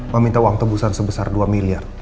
meminta uang tebusan sebesar dua miliar